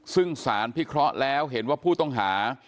ซึ่งสารพิเคราะห์แล้วเห็นว่าผู้ต้องหา